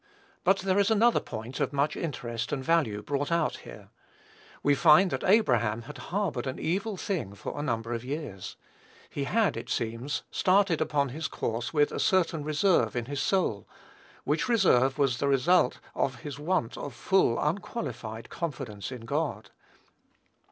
But there is another point of much interest and value brought out here. We find that Abraham had harbored an evil thing for a number of years: he had, it seems, started upon his course with a certain reserve in his soul, which reserve was the result of his want of full, unqualified confidence in God.